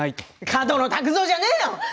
角野卓造じゃねえよ！